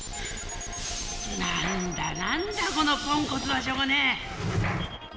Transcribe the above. なんだなんだこのポンコツはしょうがねえ！